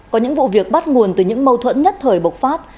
có những vụ việc bắt nguồn từ những mâu thuẫn nhất thời bộc phát